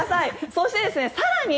そして更に